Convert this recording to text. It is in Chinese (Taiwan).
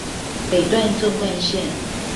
北段縱貫線